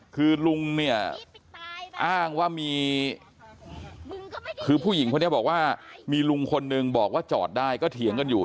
คือลุงเนี่ยอ้างว่ามีคือผู้หญิงคนนี้บอกว่ามีลุงคนนึงบอกว่าจอดได้ก็เถียงกันอยู่